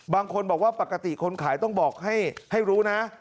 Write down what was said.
บางคนบอกว่าปกติคนขายต้องบอกให้รู้นะ